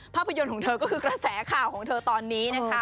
ภาพยนตร์ของเธอก็คือกระแสข่าวของเธอตอนนี้นะคะ